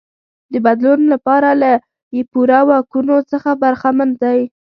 د بدلون لپاره له پوره واکونو څخه برخمن دی.